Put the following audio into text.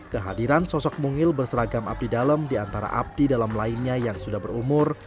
kehadiran sosok mungil berseragam abdi dalam di antara abdi dalam lainnya yang sudah berumur